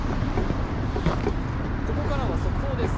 ここからは速報です。